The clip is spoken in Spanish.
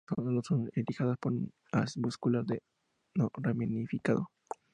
Sólo son irrigadas por un haz vascular no ramificado.